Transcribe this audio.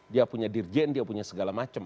dia punya dirjen dia punya segala macam